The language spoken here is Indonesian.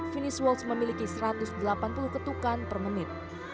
finish waltz memiliki satu ratus delapan puluh ketukan per menit